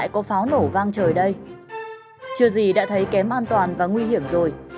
chưa gì đã thấy kém an toàn và nguy hiểm rồi